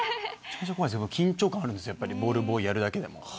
緊張感あるんですボールボーイやるだけでも。